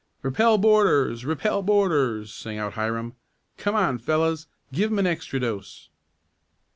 "Repel boarders! Repel boarders!" sang out Hiram. "Come on, fellows, give 'em an extra dose!"